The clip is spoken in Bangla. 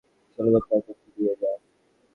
ছেলেদের ট্রাকে নিয়ে যা।